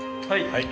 はい。